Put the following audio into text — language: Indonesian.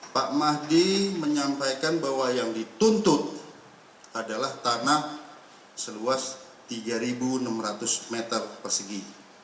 pak mahdi menyampaikan bahwa yang dituntut adalah tanah seluas tiga enam ratus meter persegi